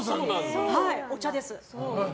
お茶です。